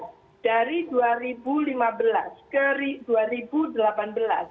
pada tahun dua ribu delapan belas